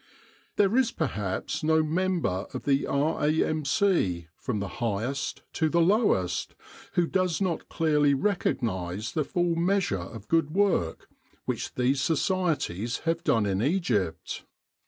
There is perhaps no mem ber of the R.A.M.C., from the highest to the lowest, who does not clearly recognise the full measure of good work which these societies have done in Egypt.